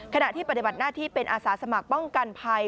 ขณะที่ปฏิบัติหน้าที่เป็นอาสาสมัครป้องกันภัย